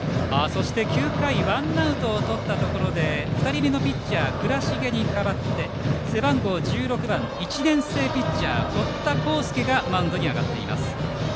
９回ワンアウトをとったところで２人目のピッチャー倉重に代わって背番号１６番１年生ピッチャー、堀田昂佑がマウンドに上がりました。